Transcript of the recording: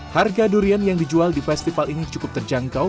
harga durian yang dijual di festival ini cukup terjangkau